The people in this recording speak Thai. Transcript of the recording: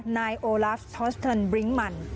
นายโอลาฟทอสเทิร์นบริ้งมัน